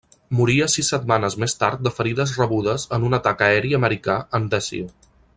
Moria sis setmanes més tard de ferides rebudes en un atac aeri americà en Desio.